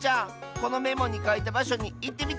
このメモにかいたばしょにいってみて！